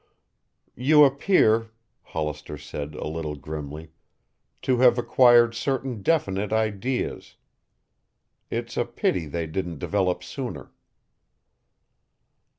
"You appear," Hollister said a little grimly, "to have acquired certain definite ideas. It's a pity they didn't develop sooner."